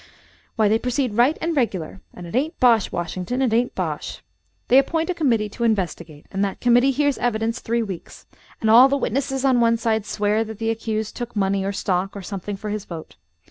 "Why they proceed right and regular and it ain't bosh, Washington, it ain't bosh. They appoint a committee to investigate, and that committee hears evidence three weeks, and all the witnesses on one side swear that the accused took money or stock or something for his vote.